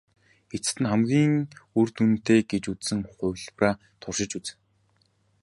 Эцэст нь хамгийн үр дүнтэй гэж үзсэн хувилбараа туршиж үзнэ.